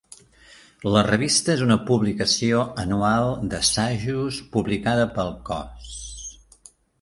La revista és una publicació anual d'assajos publicada pel Cos.